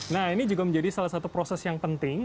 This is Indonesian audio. nah ini juga menjadi salah satu proses yang penting